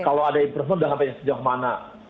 kalau ada improvement jangan sampai sejauh mana